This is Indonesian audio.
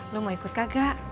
lu mau ikut gak